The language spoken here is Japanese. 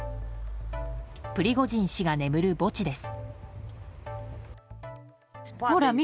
プリゴジン氏が眠る墓地です。